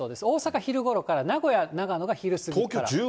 大阪、昼ごろから名古屋、長野が昼過ぎから。